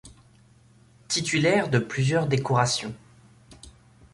Titulaire de plusieurs décorations.